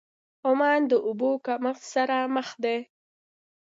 عمان د اوبو کمښت سره مخ دی.